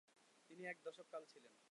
তিনি এক দশককাল ছিলেন।